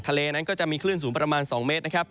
ทะเลนั้นก็จะมีคลื่นสูงประมาณ๒เมตรนะครับ